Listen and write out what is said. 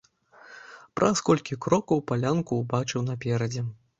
Праз колькі крокаў палянку ўбачыў наперадзе.